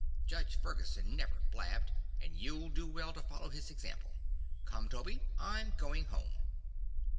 Judge Ferguson never blabbed and you'll do well to follow his example. Come, Toby; I'm goin' home."